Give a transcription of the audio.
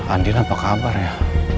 andi apa kabar ya